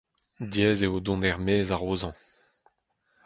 Diaes eo dont er-maez araozañ.